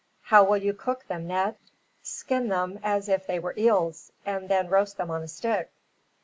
"How will you cook them, Ned?" "Skin them as if they were eels, and then roast them on a stick."